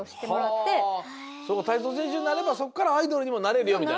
たいそうせんしゅになればそっからアイドルにもなれるよみたいな。